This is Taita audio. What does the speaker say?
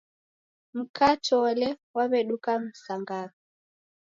Mka Tole waw'eduka msangaha.